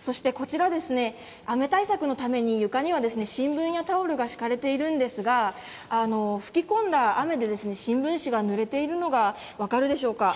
そしてこちらですね、雨対策のために床には新聞やタオルが敷かれているんですが、吹き込んだ雨で新聞紙がぬれているのが分かるでしょうか。